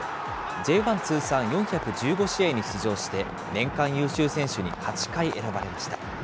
Ｊ１通算４１５試合に出場して、年間優秀選手に８回選ばれました。